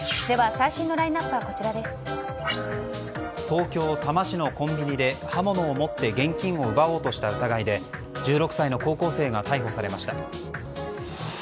東京・多摩市のコンビニで刃物を持って現金を奪おうとした疑いで１６歳の高校生が逮捕されました。